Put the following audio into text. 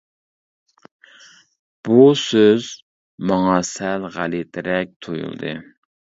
بۇ سۆز ماڭا سەل غەلىتىرەك تۇيۇلدى.